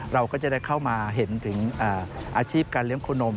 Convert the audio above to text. เราก็จะได้เข้ามาเห็นถึงอาชีพการเลี้ยงโคนม